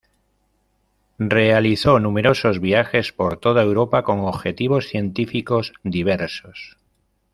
Realizó numerosos viajes por toda Europa con objetivos científicos diversos.